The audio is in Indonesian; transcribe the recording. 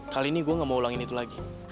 kali ini gue gak mau ulangin itu lagi